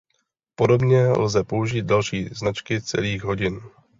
Podobně lze použít další značky celých hodin.